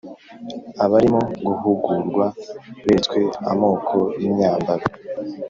Abarimo guhugurwa beretswe amoko y’imyambaro